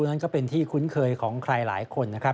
นั้นก็เป็นที่คุ้นเคยของใครหลายคนนะครับ